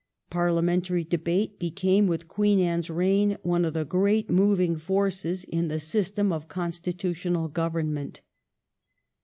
Parliamentary debate became with Queen Anne's reign one of the great moving forces in the system of constitutional government.